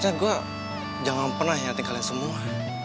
seharusnya gua jangan pernah hihatin kalian semua